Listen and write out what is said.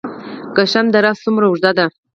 کشم دره څومره اوږده ده؟